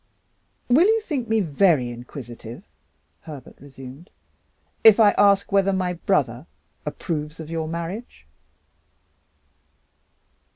"Will you think me very inquisitive," Herbert resumed, "if I ask whether my brother approves of your marriage?"